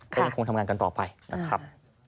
ก็ยังคงทำงานกันต่อไปนะครับ